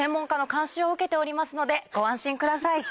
ご安心ください。